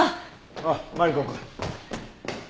ああマリコくん。